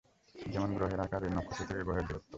যেমনঃ গ্রহের আকার, এর নক্ষত্র থেকে গ্রহের দূরত্ব।